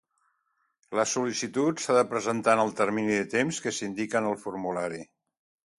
La sol·licitud s'ha de presentar en el termini de temps que s'indica en el formulari.